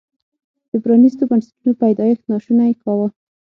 د پرانیستو بنسټونو پیدایښت ناشونی کاوه.